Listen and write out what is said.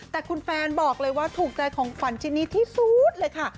แต่คุณแฟนบอกเลยว่าถูกใจของขวัญชิ้นนี้ที่สุดเลยค่ะ